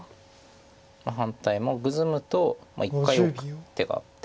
反対もグズむと一回オク手があって。